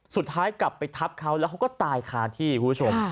สุดท้ายกลับไปทับเขาแล้วเขาก็ตายคาที่คุณผู้ชม